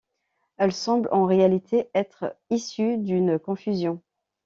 Elle semble en réalité être issue d'une confusion.